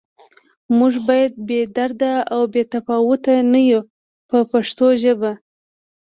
موږ باید بې درده او بې تفاوته نه یو په پښتو ژبه.